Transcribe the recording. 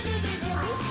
おいしい！